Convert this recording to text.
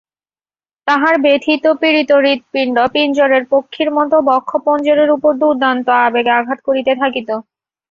তাহার ব্যথিত পীড়িত হৃৎপিণ্ড পিঞ্জরের পক্ষীর মতো বক্ষপঞ্জরের উপর দুর্দান্ত আবেগে আঘাত করিতে থাকিত।